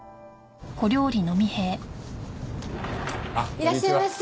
いらっしゃいませ。